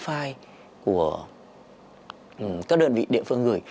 những file của các đơn vị địa phương gửi